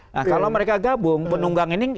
nah kalau mereka gabung penunggang ini